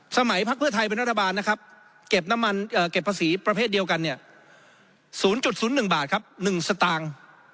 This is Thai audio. สมัยภาคเครือไทยเป็นรัฐบาลเก็บภาษีประเภทเดียวกัน๐๐๑บาท๑สตางค์